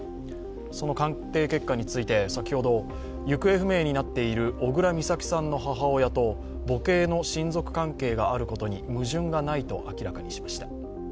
その鑑定結果について先ほど、行方不明になっている小倉美咲さんの母親と母系の親族関係があることに矛盾がないと明らかにしました。